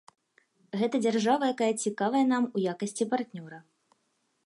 Гэта дзяржава, якая цікавая нам у якасці партнёра.